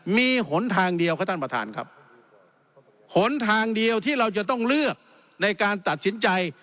มีหนทางเดียวครับท่านประธานครับหนทางเดียวที่เราจะต้องเลือกในการตัดสินใจ